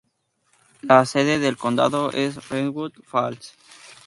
La sede del condado es Redwood Falls.